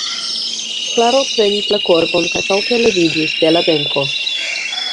Klaro prenis la korbon kaj salte leviĝis de la benko.